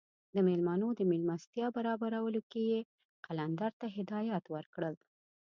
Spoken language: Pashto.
د میلمنو د میلمستیا برابرولو کې یې قلندر ته هدایات ورکړل.